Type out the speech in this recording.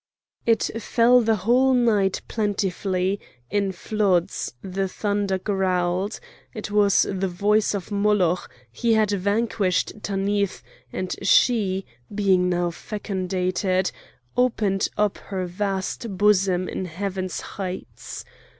It fell the whole night plentifully, in floods; the thunder growled; it was the voice of Moloch; he had vanquished Tanith; and she, being now fecundated, opened up her vast bosom in heaven's heights.